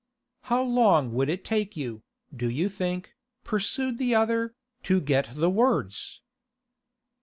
'How long would it take you, do you think,' pursued the other, 'to get the words?